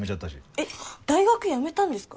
えっ大学辞めたんですか？